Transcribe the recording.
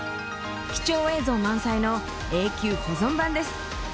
貴重映像満載の永久保存版です。